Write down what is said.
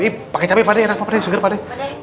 ini pake cabai pade enak apa pade suger pade